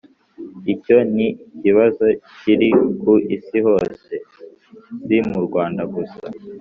icyo ni ikibazo kiri ku isi hose si mu rwanda gusa;